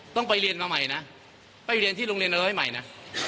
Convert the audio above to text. ต้องไปเรียนมาใหม่นะไปเรียนที่โรงเรียนร้อยใหม่นะ